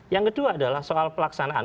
yang kedua adalah soal pelaksanaan